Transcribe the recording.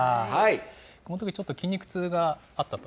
このとき、ちょっと筋肉痛があったと。